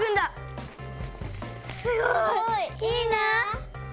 すごい、いいなぁ。